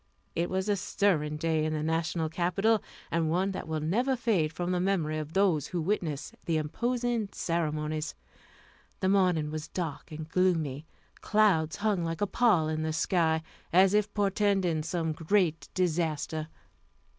It was a stirring day in the National Capital, and one that will never fade from the memory of those who witnessed the imposing ceremonies. The morning was dark and gloomy; clouds hung like a pall in the sky, as if portending some great disaster.